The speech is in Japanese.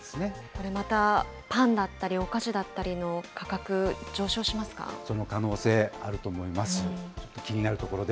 これまた、パンだったりお菓子だったりの価格、上昇しますかその可能性あると思います。